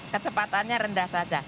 kecepatannya rendah saja